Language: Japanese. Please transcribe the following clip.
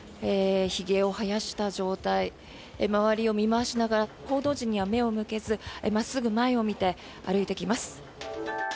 ひげを生やした状態周りを見回しながら報道陣には目を向けず真っすぐ前を見て歩いてきます。